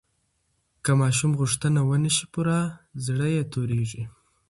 که ماشوم غوښتنه ونه شي پوره، زړه یې تورېږي.